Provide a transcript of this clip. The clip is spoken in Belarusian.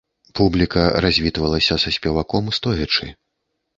Публіка развітвалася са спеваком стоячы.